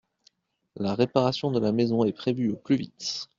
La réparation de la maison est prévue au plus vite.